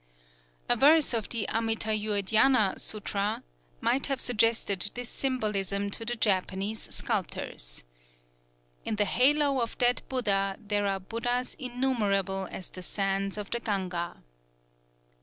A verse of the Amitâyur Dhyâna Sûtra might have suggested this symbolism to the Japanese sculptors: "_In the halo of that Buddha there are Buddhas innumerable as the sands of the Ganga.